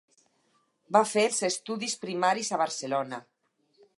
Va fer els estudis primaris a Barcelona.